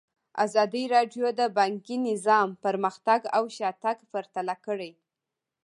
ازادي راډیو د بانکي نظام پرمختګ او شاتګ پرتله کړی.